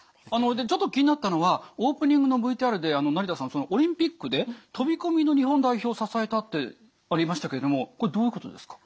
でちょっと気になったのはオープニングのＶＴＲで成田さんオリンピックで飛び込みの日本代表を支えたってありましたけどもこれどういうことですか？